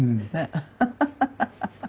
アハハハハ！